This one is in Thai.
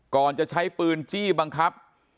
ก่อนจะใช้ปืนจี้บังคับ